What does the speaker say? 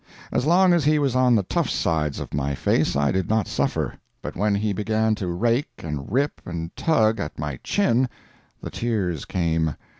As long as he was on the tough sides of my face I did not suffer; but when he began to rake, and rip, and tug at my chin, the tears came.